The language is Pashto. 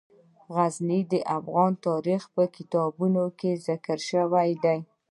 غزني د افغان تاریخ په کتابونو کې ذکر شوی دي.